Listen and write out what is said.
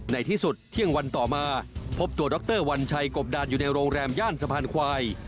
ในที่สุดเที่ยงวันต่อมาพบตัวดรวัญชัยกบดานอยู่ในโรงแรมย่านสะพานควาย